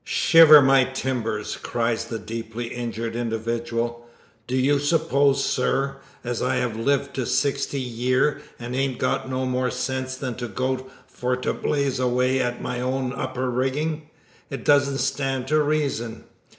"Shiver my timbers!" cries that deeply injured individual. "Do you suppose, sir, as I have lived to sixty year, an' ain't got no more sense than to go for to blaze away at my own upper riggin'? It doesn't stand to reason."